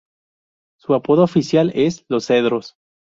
Su apodo oficial es "Los Cedros".